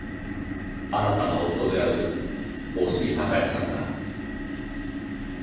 あなたの夫である大杉隆也さんが。